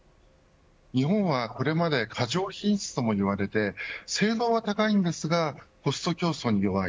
日本はこれまで過剰品質とも言われて性能は高いんですがコスト競争に弱い。